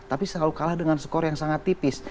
tapi selalu kalah dengan skor yang sangat tipis